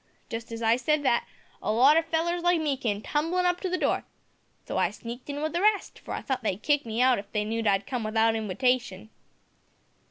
Just as I said that, a lot o' fellers like me came tumblin' up to the door so I sneaked in wi' the rest for I thought they'd kick me hout if they knowed I'd come without inwitation."